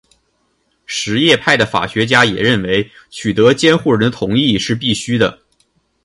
什叶派的法学家也认为取得监护人同意是必须的。